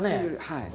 はい。